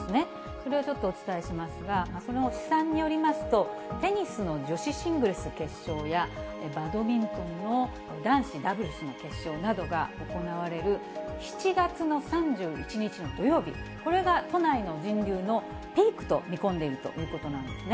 それをちょっとお伝えしますが、その試算によりますと、テニスの女子シングルス決勝や、バドミントンの男子ダブルスの決勝などが行われる７月の３１日の土曜日、これが都内の人流のピークと見込んでいるということなんですね。